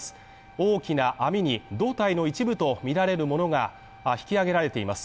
大きな網に胴体の一部とみられるものが引き揚げられています。